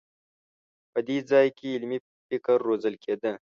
په دې ځای کې علمي فکر روزل کېده.